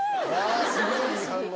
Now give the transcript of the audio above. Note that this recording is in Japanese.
すごいいい反応。